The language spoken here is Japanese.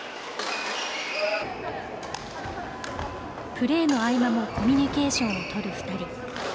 プレーの合間もコミュニケーションをとる２人。